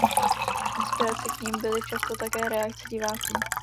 Inspirací k nim byly často také reakce diváků.